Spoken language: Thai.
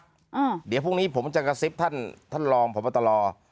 อ่าเดี๋ยวพรุ่งนี้ผมจะกระซิบท่านท่านรองพบตร